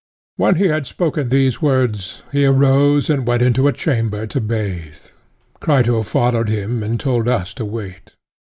When he had spoken these words, he arose and went into a chamber to bathe; Crito followed him and told us to wait.